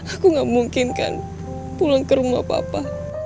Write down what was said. aku gak memungkinkan pulang ke rumah papa